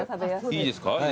いいですか？